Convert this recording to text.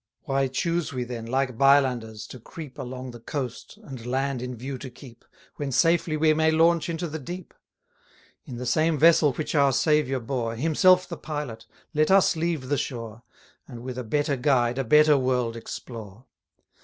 Why choose we, then, like bilanders, to creep Along the coast, and land in view to keep, When safely we may launch into the deep? 130 In the same vessel which our Saviour bore, Himself the pilot, let us leave the shore, And with a better guide a better world explore.